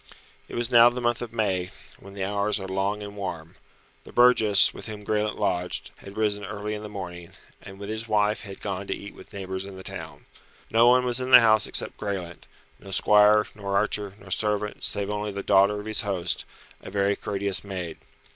It was now the month of May, when the hours are long and warm. The burgess, with whom Graelent lodged, had risen early in the morning, and with his wife had gone to eat with neighbours in the town. No one was in the house except Graelent, no squire, nor archer, nor servant, save only the daughter of his host, a very courteous maid.